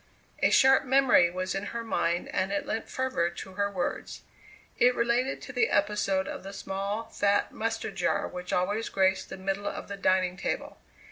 A sharp memory was in her mind and it lent fervour to her words. It related to the episode of the small, fat mustard jar which always graced the middle of the dining table.